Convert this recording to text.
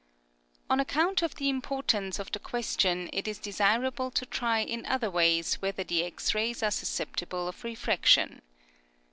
On account of the importance of the question it is desirable to try in other ways whether the X rays are susceptible of re fraction.